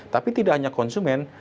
tapi tidak hanya konsumen